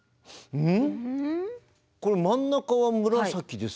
うん。